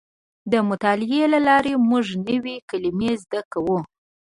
د مطالعې له لارې موږ نوې کلمې زده کوو.